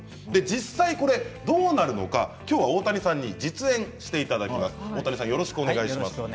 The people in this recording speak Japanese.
実際にどうなるのか、きょうは大谷さんに実演してもらいます。